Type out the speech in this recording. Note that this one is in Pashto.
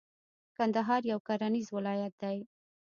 کندهار یو کرنیز ولایت دی.